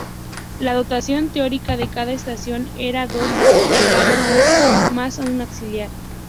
La dotación teórica de cada estación era de dos operarios, más un auxiliar.